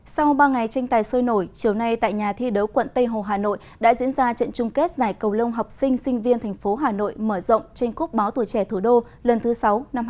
sau ba ngày tranh tài sôi nổi chiều nay tại nhà thi đấu quận tây hồ hà nội đã diễn ra trận chung kết giải cầu lông học sinh sinh viên thành phố hà nội mở rộng trên quốc báo tuổi trẻ thủ đô lần thứ sáu năm hai nghìn hai mươi